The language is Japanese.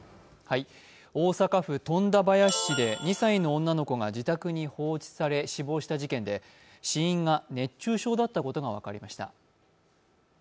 大阪府富田林市で２歳の女の子が自宅に放置され、死亡した事件で死因が熱中症だったことが分かりました。